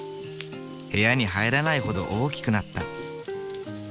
部屋に入らないほど大きくなった。